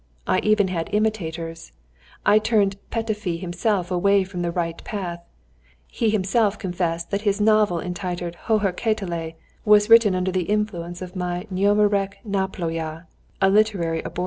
I even had imitators. I turned Petöfi himself away from the right path. He himself confessed that his novel entitled "Hóhér Kötele" was written under the influence of my "Nyomarék naplója," a literary abortion.